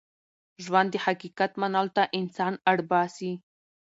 ژوند د حقیقت منلو ته انسان اړ باسي.